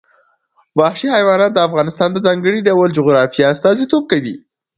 وحشي حیوانات د افغانستان د ځانګړي ډول جغرافیه استازیتوب کوي.